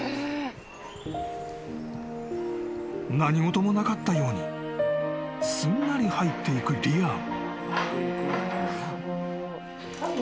［何事もなかったようにすんなり入っていくリアン］